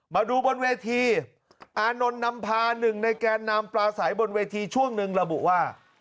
มาดูบนเวทีอานนท์นำพาหนึ่งในแกนนำปลาสายบนเวทีช่วงหนึ่งระบุว่า